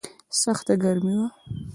سخته ګرمي وه.